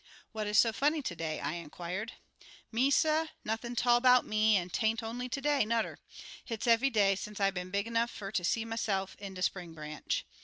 "What is so funny to day?" I inquired. "Me, suh nothin' tall 'bout me, an' 'tain't only ter day, nudder. Hit's eve'y day sence I been big 'nuff fer to see myse'f in de spring branch.